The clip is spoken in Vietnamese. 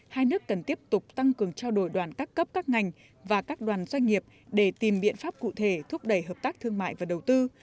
hai nước cần tiếp tục tăng cường trao đổi đoàn các cấp các ngành và các đoàn doanh nghiệp để tìm biện pháp cụ thể thúc đẩy hợp tác thương mại và đầu tư